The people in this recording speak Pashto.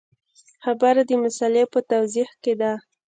خبره د مسألې په توضیح کې ده.